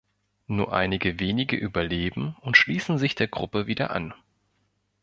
Nur einige wenige überleben und schließen sich der Gruppe wieder an.